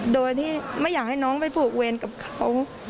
โดยที่ไม่อยากให้น้องไปผูกเวรกับเขา